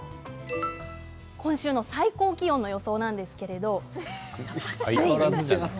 今週の最高気温の予想なんですけれど暑い。